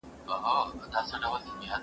زده کړې نجونې کارونه ښه تنظيموي.